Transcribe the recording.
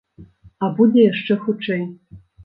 А будзе яшчэ хутчэй.